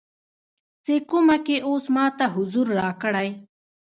څې کومه کې اوس ماته حضور راکړی